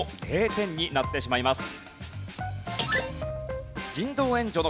０点になってしまいます。